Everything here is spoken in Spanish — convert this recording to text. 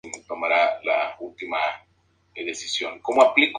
Sin embargo, nunca se demostró su culpabilidad.